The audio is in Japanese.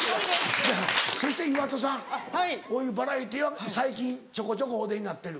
そして岩田さんこういうバラエティーは最近ちょこちょこお出になってる？